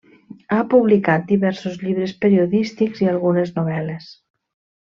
Ha publicat diversos llibres periodístics i algunes novel·les.